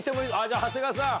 じゃあ長谷川さん。